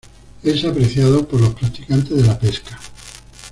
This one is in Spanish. Es apreciado por los practicantes de la pesca.